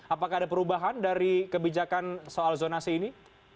apakah ada perubahan dari kebijakan soal zonasi ini